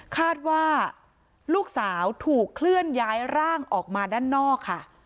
คาดว่าลูกสาวถูกเคลื่อนย้ายร่างออกมาด้านนอกค่ะ